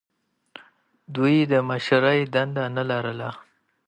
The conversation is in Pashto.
دوی یې د مشرۍ دنده نه لرله.